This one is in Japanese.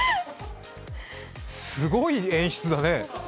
すごい演出だね。